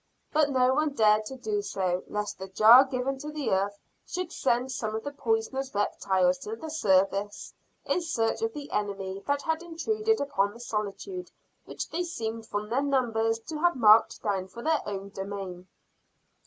But no one dared to do so lest the jar given to the earth should send some of the poisonous reptiles to the surface in search of the enemy that had intruded upon the solitude which they seemed from their numbers to have marked down for their own domain.